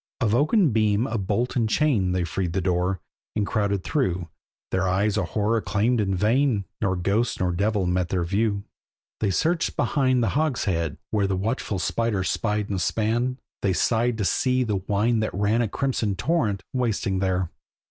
Of oaken beam, of bolt and chain They freed the door, and crowded through, Their eyes a horror claimed in vain, Nor ghost nor devil met their view. They searched behind the hogshead, where The watchful spider spied and span; They sighed to see the wine that ran A crimson torrent, wasting there.